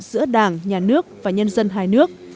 giữa đảng nhà nước và nhân dân hai nước